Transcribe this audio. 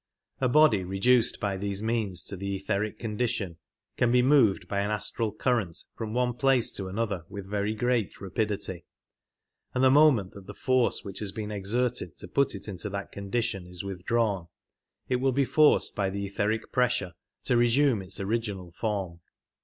A body re duced by these means to the etheric condition can be moved by an astral current from one place to another with very great rapidity ; and the moment that the force which has been exerted to put it into that condition is withdrawn it will be forced by the etheric pressure to resume its origi nal form.